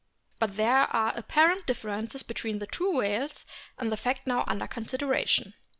But there are apparent differences between the two whales in the fact now under consideration.